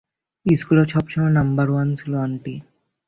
স্কুলেও সবসময় number one ছিলো, আন্টি!